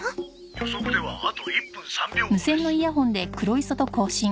「予測ではあと１分３秒後です」